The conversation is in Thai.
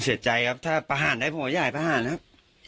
เสียใจครับถ้าประหารได้ผมก็ใหญ่ประหารครับ